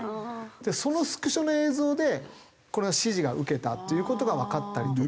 そのスクショの映像でこれの指示が受けたっていう事がわかったりとか。